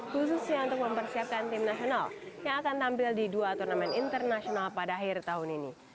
khususnya untuk mempersiapkan tim nasional yang akan tampil di dua turnamen internasional pada akhir tahun ini